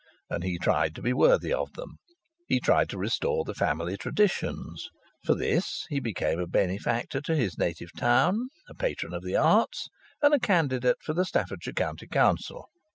And he tried to be worthy of them. He tried to restore the family traditions. For this he became a benefactor to his native town, a patron of the arts, and a candidate for the Staffordshire County Council.